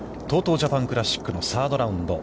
ジャパンクラシックのサードラウンド。